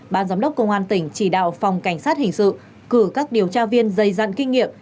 ban giám đốc công an tỉnh chỉ đạo phòng cảnh sát hình sự cử các điều tra viên dày dặn kinh nghiệm